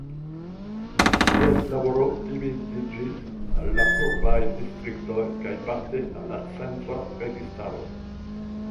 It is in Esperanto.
Ties laboro dividiĝis al la urbaj distriktoj kaj parte al la centra registaro.